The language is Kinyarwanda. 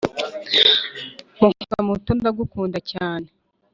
"mukobwa muto, ndagukunda cyane.